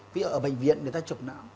ví dụ ở bệnh viện người ta chụp não